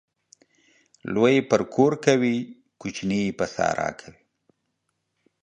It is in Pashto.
لوى يې پر کور کوي ، کوچنى يې پر سارا.